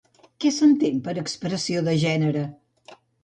Què s'entén per expressió de gènere?